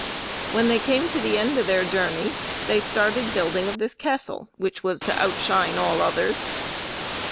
When they came to the end of their journey, they started building of this castle which was to outshine all others.